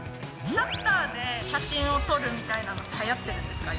シャッターで写真を撮るみたいなのってはやってるんですか？